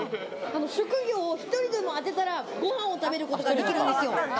職業を１人でも当てたらご飯を食べることができるんですよ。